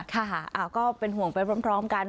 ค่ะก็เป็นห่วงไปพร้อมกัน